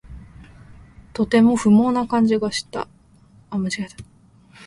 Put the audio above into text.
とても不毛な気がした